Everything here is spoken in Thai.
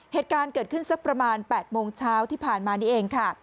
เหตุการณ์เกิดขึ้นสักประมาณ๘โมงเช้าที่ผ่านมานี่เองค่ะ